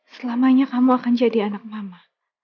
selamanya kamu akan jadi anak mama